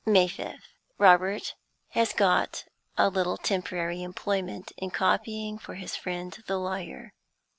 May 5th. Robert has got a little temporary employment in copying for his friend the lawyer.